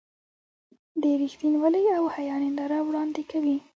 د رښتینولۍ او حیا ننداره وړاندې کوي.